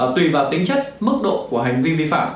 tùy vào tính chất mức độ của hành vi vi phạm